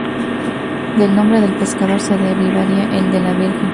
Del nombre del pescador se derivaría el de la Virgen.